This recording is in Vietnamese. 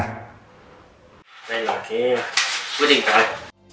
đây là cái quyết định tại